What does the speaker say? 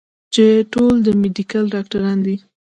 چې ټول د ميډيکل ډاکټران دي